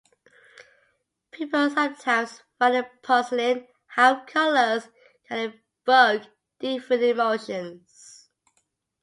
People sometimes find it puzzling how colors can evoke different emotions.